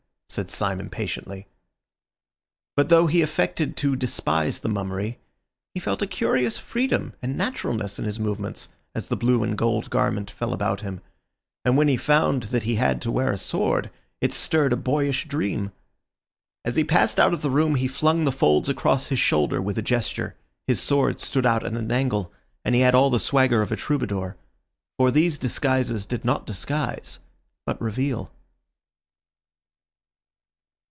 said Syme impatiently. But though he affected to despise the mummery, he felt a curious freedom and naturalness in his movements as the blue and gold garment fell about him; and when he found that he had to wear a sword, it stirred a boyish dream. As he passed out of the room he flung the folds across his shoulder with a gesture, his sword stood out at an angle, and he had all the swagger of a troubadour. For these disguises did not disguise, but reveal.